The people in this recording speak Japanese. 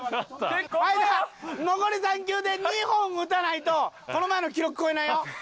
前田残り３球で２本打たないとこの前の記録超えないよ。